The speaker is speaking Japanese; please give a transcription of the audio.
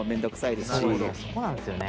「そこなんですよね」